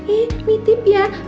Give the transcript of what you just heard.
ini tip ya